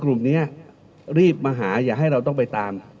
กลุ่มนี้รีบมาหาอย่าให้เราต้องไปตาม